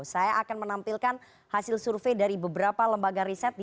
saya akan menampilkan hasil survei dari beberapa lembaga riset